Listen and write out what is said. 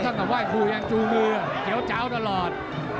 สำหรับว่าคู่ยังจูมือเจี๊ยวเจ้าตลอด